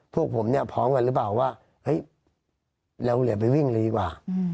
พวกผมเนี่ยพร้อมกันหรือเปล่าว่าเฮ้ยเราเหลือไปวิ่งเลยดีกว่า